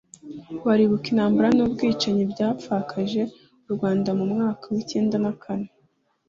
baribuka intambara n’ubwicanyi byapfakaje u Rwanda mu mwaka w’icyenda kane.